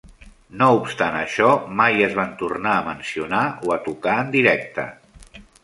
No obstant això, mai es van tornar a mencionar o a tocar en directe.